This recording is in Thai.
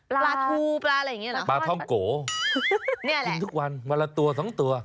ปลาทูปลายังไงเหรอปลาท่องโกนะละจิ้นทุกวันวันละตัว๒ตัว